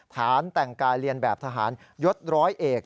ฐานแต่งกายเรียนแบบทหารยศร้อยเอก